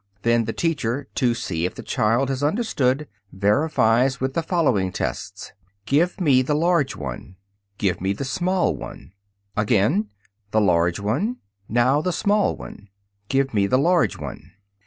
Then the teacher, to see if the child has understood, verifies with the following tests: "Give me the large one. Give me the small one." Again, "The large one." "Now the small one." "Give me the large one."